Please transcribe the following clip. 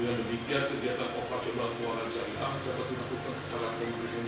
dengan demikian kegiatan opat jodoh keuangan syariah dapat dilakukan secara kontribusi dan ekonomi syariah